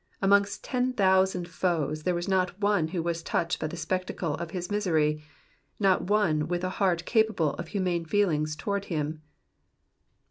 Amongst ten thousand foes there was not one who was touched by the spectacle of his misery ; not one with a heart capable of humane feeling towards him.